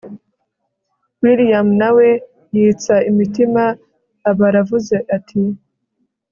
william nawe yitsa imitima aba aravuze ati